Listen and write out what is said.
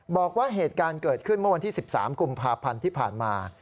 บอกว่าเหตุการณ์เกิดขึ้นเมื่อวันที่๑๓กุมภาพันธ์ที่ผ่านมา